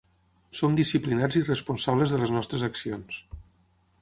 Som disciplinats i responsables de les nostres accions.